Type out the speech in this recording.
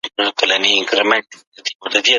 دی ملګری د خوښیو